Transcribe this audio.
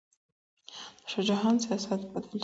د شاه جهان سیاست بدل سو